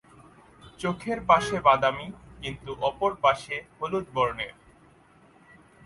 চোখের পাশে বাদামি, কিন্তু অপর পাশে হলুদ বর্ণের।